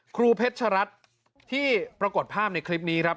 ครูเพชรัตน์ที่ปรากฏภาพในคลิปนี้ครับ